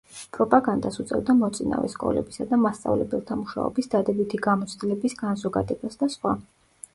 პროპაგანდას უწევდა მოწინავე სკოლებისა და მასწავლებელთა მუშაობის დადებითი გამოცდილების განზოგადებას და სხვა.